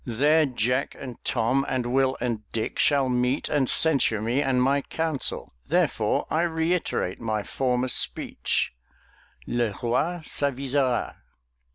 There Jack and Tom, and Will and Dick, shall meet and censure me and my council. Therefore I reiterate my former speech: Le roi s'avisera.